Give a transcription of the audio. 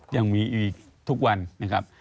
ยังมีอีกทุกวันนะครับ